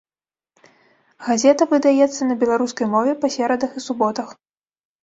Газета выдаецца на беларускай мове па серадах і суботах.